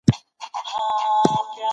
استمراري ماضي اوږد حالت ښيي.